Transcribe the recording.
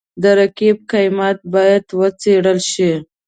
د رقیب قیمت باید وڅېړل شي.